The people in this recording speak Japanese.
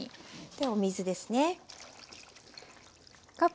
でお水ですね。